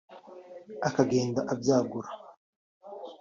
akagenda abyagura